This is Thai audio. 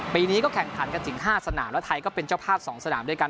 ปีนี้ก็แข่งขันกันถึง๕สนามแล้วไทยก็เป็นเจ้าภาพ๒สนามด้วยกัน